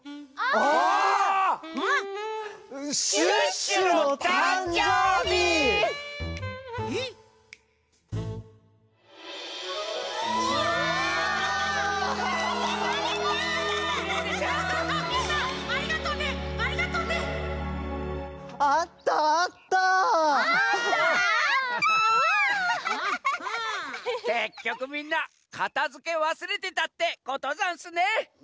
けっきょくみんなかたづけわすれてたってことざんすね。